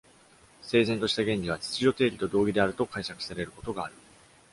「整然とした原理」は「秩序定理」と同義であると解釈されることがある。